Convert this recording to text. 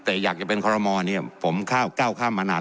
แต่อยากอย่าเป็นครมอนเนี้ยผมข้าวเก้าข้ามมานาน